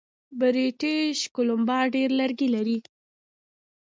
بریټیش کولمبیا ډیر لرګي لري.